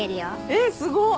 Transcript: えっすごっ！